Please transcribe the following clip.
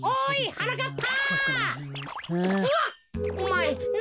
はなかっぱ。